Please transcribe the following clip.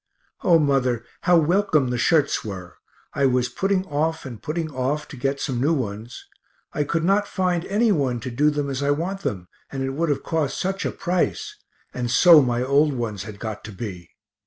O mother, how welcome the shirts were I was putting off and putting off, to get some new ones. I could not find any one to do them as I want them, and it would have cost such a price and so my old ones had got to be.